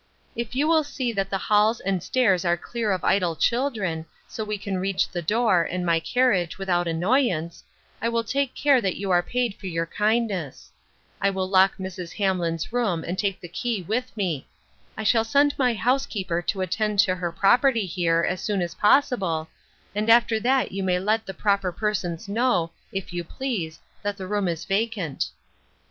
If you will see that the halls and stairs are clear of idle children, so we can reach the door, and my carriage, without annoyance, I will take care that you are paid for your kindness. I will lock Mrs. Hamlin's room and take the key with me. I shall send my housekeeper to attend to her property here, as soon as possible, and after that you may let the proper persons know, if you please, that the room is vacant."